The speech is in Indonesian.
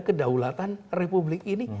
kedaulatan republik ini